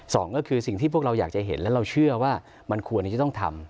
สองก็คือสิ่งที่พวกเราอยากจะเห็นและเราเชื่อว่ามันควรที่จะต้องทำ